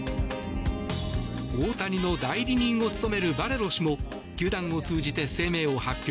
大谷の代理人を務めるバレロ氏も球団を通じて声明を発表。